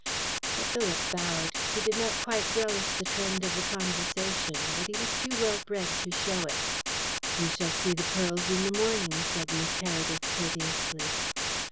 Sir Philip bowed. He did not quite relish the trend of the conversation, but he was too well bred to show it. "You shall see the pearls in the morning," said Miss Heredith courteously.